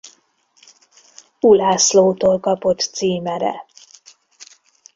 Ulászlótól kapott címere.